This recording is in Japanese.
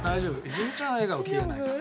泉ちゃんは笑顔消えないから。